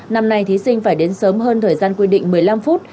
năm nay thí sinh phải đến sớm hơn thời gian quy định một mươi năm phút